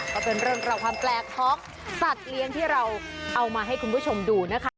ก็เป็นเรื่องราวความแปลกของสัตว์เลี้ยงที่เราเอามาให้คุณผู้ชมดูนะคะ